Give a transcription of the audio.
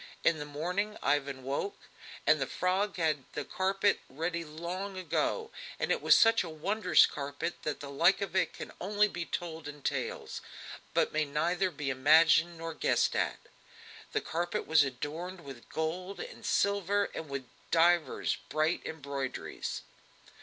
In the morning Ivan woke, and the frog had had the carpet ready long ago, and it was such a wondrous carpet that the like of it can only be told in tales, but may neither be imagined nor guessed at. The carpet was adorned with gold and silver and with divers bright embroiderings.